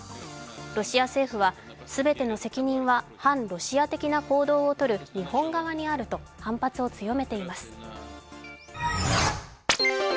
ロシア政府は、全ての責任は反ロシア的な行動をとる日本側にあると反発を強めています。